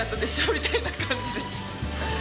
みたいな感じです。